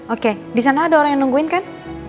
oke disana ada orang yang nungguin kan